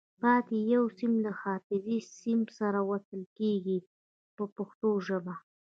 پاتې یو سیم یې له حفاظتي سیم سره وصل کېږي په پښتو ژبه.